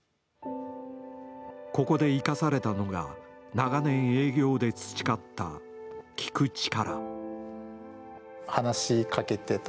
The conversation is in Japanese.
ここで生かされたのが長年営業で培った、聞く力。